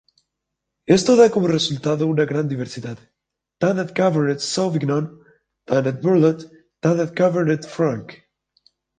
Esto da como resultado una gran diversidad; Tannat-Cabernet Sauvignon, Tannat-Merlot, Tannat-Cabernet Franc.